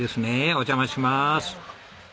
お邪魔します。